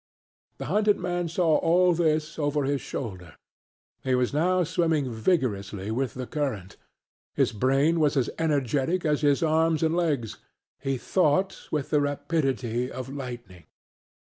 The hunted man saw all this over his shoulder; he was now swimming vigorously with the current. His brain was as energetic as his arms and legs; he thought with the rapidity of lightning.